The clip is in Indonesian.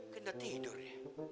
kena tidur ya